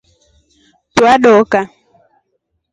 Tua doka.